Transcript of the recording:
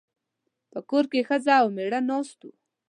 په کور کې ښځه او مېړه ناست وو.